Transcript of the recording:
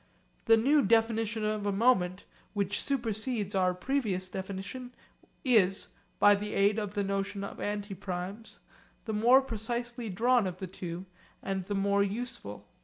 The new definition of a moment, which supersedes our previous definition, is (by the aid of the notion of antiprimes) the more precisely drawn of the two, and the more useful.